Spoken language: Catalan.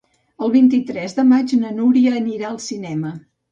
El vint-i-tres de maig na Núria anirà al cinema.